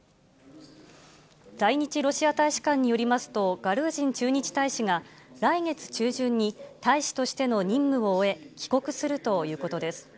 在日ロシア大使館によりますと、ガルージン駐日大使が、来月中旬に大使としての任務を終え、帰国するということです。